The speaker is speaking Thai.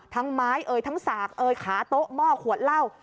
ไม้เอ่ยทั้งสากเอยขาโต๊ะหม้อขวดเหล้า